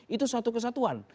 itu satu kesatuan